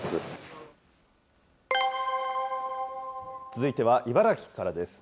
続いては茨城からです。